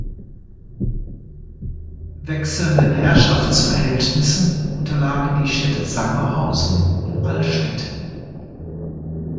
Wechselnden Herrschaftsverhältnissen unterlagen die Städte Sangerhausen und Allstedt.